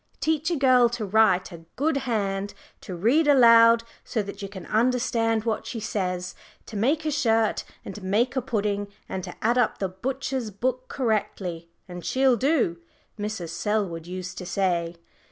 "Teach a girl to write a good hand, to read aloud so that you can understand what she says, to make a shirt and make a pudding and to add up the butcher's book correctly, and she'll do," Mrs. Selwood used to say.